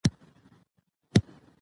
هرات د افغان کلتور سره تړاو لري.